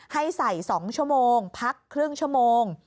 ให้ใส่๒ชั่วโมงพักครึ่งชั่วโมง